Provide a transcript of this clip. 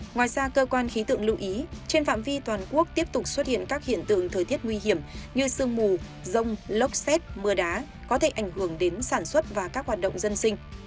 ngoài ra cơ quan khí tượng lưu ý trên phạm vi toàn quốc tiếp tục xuất hiện các hiện tượng thời tiết nguy hiểm như sương mù rông lốc xét mưa đá có thể ảnh hưởng đến sản xuất và các hoạt động dân sinh